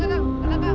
ledang ledang ledang